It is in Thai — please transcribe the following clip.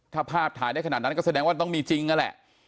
ถ้าภาพถ่ายได้ขนาดนั้นก็แสดงว่าต้องมีจริงนั่นแหละ